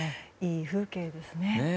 いい風景ですね。